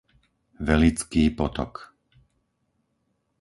Velický potok